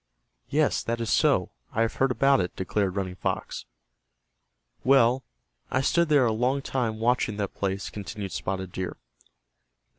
"Yes, that is so, I have heard about it," declared Running Fox. "Well, I stood there a long time watching that place," continued Spotted Deer.